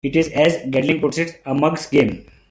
It is, as Gadling puts it, a mug's game.